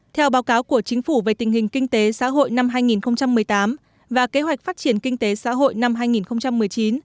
theo báo cáo của chính phủ về tình hình kinh tế xã hội năm hai nghìn một mươi tám và kế hoạch phát triển kinh tế xã hội năm hai nghìn một mươi chín